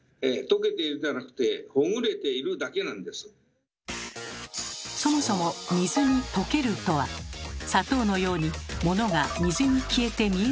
えっそもそも「水に溶ける」とは砂糖のようにものが水に消えて見えなくなること。